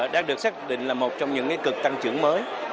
đang được xác định là một trong những cực tăng trưởng mới